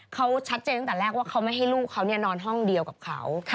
เขาชัดเจนตั้งแต่แรกว่าเขาไม่ให้ลูกเขานอนห้องเดียวกับเขา